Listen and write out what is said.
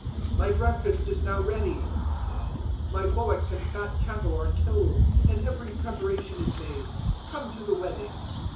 "`My breakfast is now ready," he said, `my bullocks and fat cattle are killed, and every preparation is made: come to the wedding.'